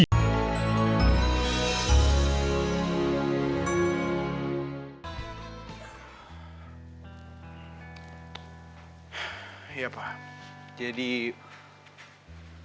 malah papa berharap